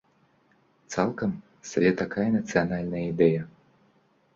Цалкам сабе такая нацыянальная ідэя.